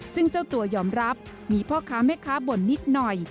ซึ่งเจ้าตัวยอมรับมีพ่อค้าแม่ค้าบ่นนิดหน่อย